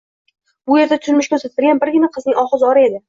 Bu erta turmushga uzatilgan birgina qizning ohu zori edi